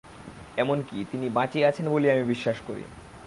এমন-কি, তিনি বাঁচিয়া আছেন বলিয়া আমি বিশ্বাস করি।